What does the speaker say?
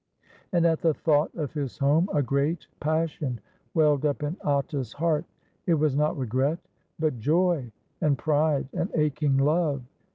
And at the thought of his home a great passion welled up in Atta's heart. It was not regret, but joy and pride and aching love.